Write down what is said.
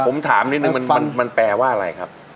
ผมถามนิดนึงมันแปลว่าอะไรครับ